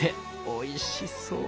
おいしそう。